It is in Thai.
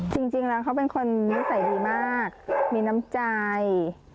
จริงแล้วเขาเป็นคนนิสัยดีมากมีน้ำใจ